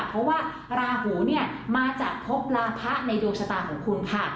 เพราะว่าราหูเนี่ยมาจากพบราพะในดวงชะตาของคุณค่ะ